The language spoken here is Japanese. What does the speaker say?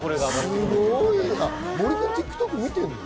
森君、ＴｉｋＴｏｋ見てるの？